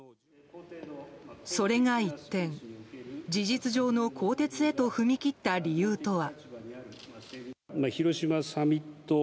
それが一転事実上の更迭へと踏み切った理由とは。